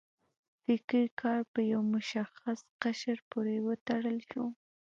فکري کار په یو مشخص قشر پورې وتړل شو.